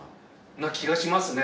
な気がしますね。